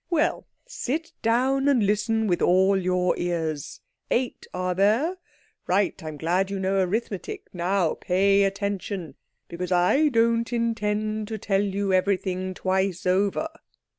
Well, sit down and listen with all your ears. Eight, are there? Right—I am glad you know arithmetic. Now pay attention, because I don't intend to tell you everything twice over."